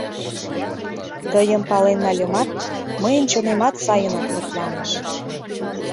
— Тыйым пален нальымат, мыйын чонемат сайынак лыпланыш.